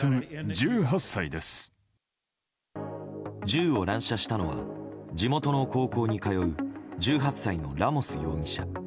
銃を乱射したのは地元の高校に通う１８歳のラモス容疑者。